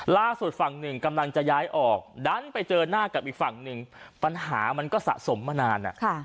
ล่าสุดฝั่งหนึ่งกำลังจะย้ายออกดันไปเจอหน้ากับอีกฝั่งหนึ่งปัญหามันก็สะสมมานาน